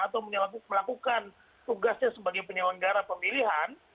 atau melakukan tugasnya sebagai penyelenggara pemilihan